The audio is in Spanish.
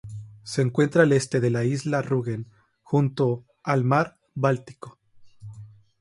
Se encuentra al este de la isla de Rügen, junto al mar Báltico.